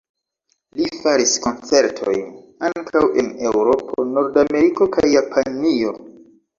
Li faris koncertojn ankaŭ en Eŭropo, Nord-Ameriko kaj Japanio.